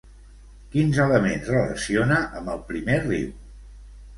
Quins elements relaciona amb el primer riu?